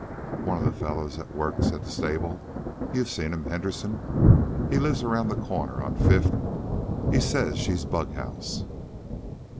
One of the fellows that works at the stable you've seen 'm Henderson he lives around the corner on Fifth he says she's bughouse."